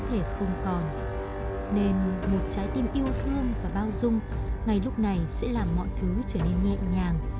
có thể không còn nên một trái tim yêu thương và bao dung ngay lúc này sẽ làm mọi thứ trở nên nhẹ nhàng